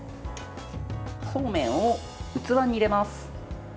そうめんを器に入れます。